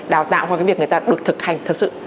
đào tạo qua cái việc người ta được thực hành